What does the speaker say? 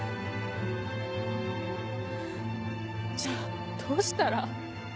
じゃあどうしたら。